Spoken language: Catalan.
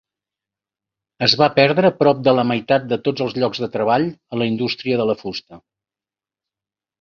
Es va perdre prop de la meitat de tots els llocs de treball a la indústria de la fusta.